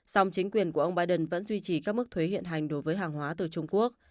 song chính quyền của ông biden vẫn duy trì các mức thuế hiện hành đối với hàng hóa từ trung quốc